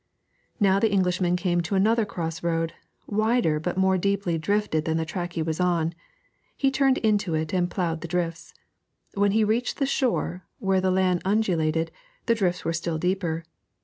Now the Englishman came to another cross road, wider but more deeply drifted than the track he was on. He turned into it and ploughed the drifts. When he reached the shore, where the land undulated, the drifts were still deeper.